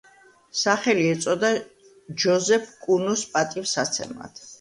სახელი ეწოდა ჯოზეფ ჯუნოს პატივსაცემად.